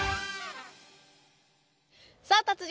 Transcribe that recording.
さあ達人！